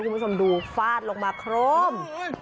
คุณผู้ชมดูฟาดลงมาโครม